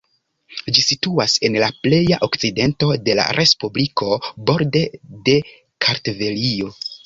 Ĝi situas en la pleja okcidento de la respubliko, borde de Kartvelio.